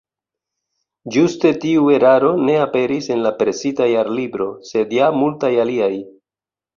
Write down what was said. Ĝuste tiu eraro ne aperis en la presita Jarlibro, sed ja multaj aliaj.